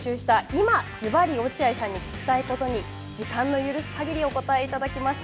今ずばり落合さんに聞きたいことに時間の許す限りお答えいただきます。